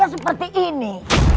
ya seperti ini